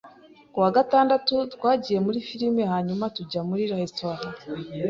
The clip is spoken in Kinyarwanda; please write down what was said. Ku wa gatandatu, twagiye muri firime hanyuma tujya muri resitora.